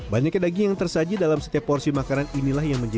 banyaknya daging yang tersaji dalam setiap porsi makanan inilah yang menjadi